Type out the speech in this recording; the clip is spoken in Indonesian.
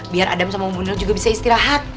biar adam sama bu nur juga bisa istirahat